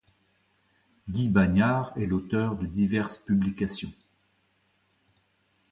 Guy Bagnard est l'auteur de diverses publications.